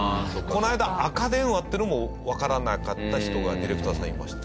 この間赤電話っていうのもわからなかった人がディレクターさんいました。